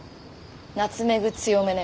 ナツメグ強めね。